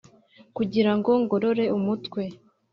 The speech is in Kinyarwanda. kugirango ngorore umutwe